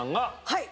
はい。